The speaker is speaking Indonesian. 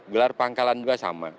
gelar pangkalan juga sama